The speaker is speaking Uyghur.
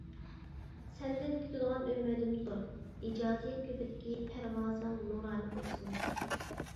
سەندىن كۈتىدىغان ئۈمىدىم زور، ئىجادىيەت كۆكىدىكى پەرۋازىڭ نۇرانە بولسۇن!